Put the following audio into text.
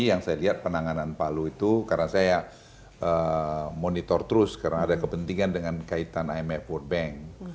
yang saya lihat penanganan palu itu karena saya monitor terus karena ada kepentingan dengan kaitan imf world bank